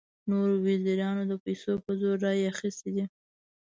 نورو وزیرانو د پیسو په زور رایې اخیستې دي.